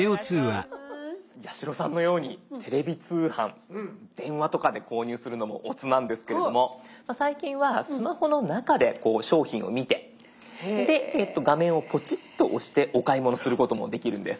八代さんのようにテレビ通販電話とかで購入するのもおつなんですけれども最近はスマホの中でこう商品を見て画面をポチッと押してお買い物することもできるんです。